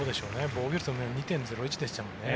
防御率も２．０１でしたもんね。